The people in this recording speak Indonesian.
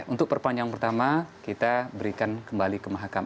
untuk perpanjangan pertama kita berikan kembali ke mahkamah